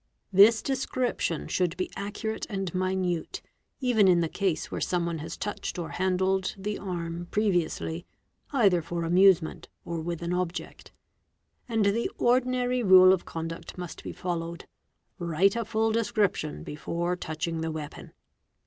This description should be accurate and minute, even in — the case where someone has touched or handled the arm previously, — either for amusement or with an object. And the ordinary rule of © conduct must be followed, write a full description before touching the weapon.